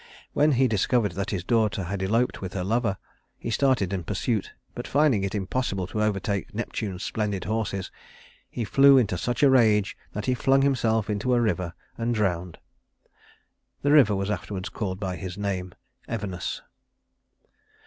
When he discovered that his daughter had eloped with her lover, he started in pursuit; but finding it impossible to overtake Neptune's splendid horses, he flew into such a rage that he flung himself into a river and drowned. (The river was afterwards called by his name Evenus.)